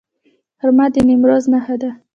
خرما د نیمروز نښه ده.